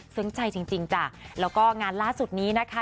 ใจจริงจริงจ้ะแล้วก็งานล่าสุดนี้นะคะ